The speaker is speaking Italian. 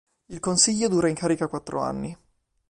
Il Consiglio dura in carica quattro anni.